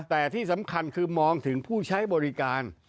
แต่ที่สำคัญคือมองถึงผู้ใช้บริการ